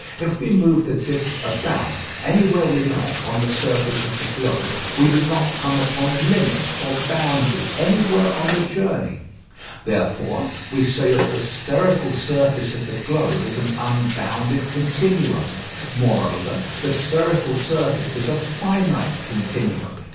If we move the disc about, anywhere we like, on the surface of the globe, we do not come upon a limit or boundary anywhere on the journey. Therefore we say that the spherical surface of the globe is an unbounded continuum. Moreover, the spherical surface is a finite continuum.